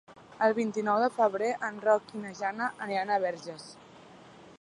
El vint-i-nou de febrer en Roc i na Jana aniran a Verges.